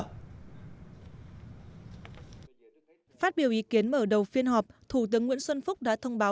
phát biểu ý kiến mở đầu phiên họp thủ tướng nguyễn xuân phúc đã thông báo